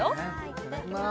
いただきます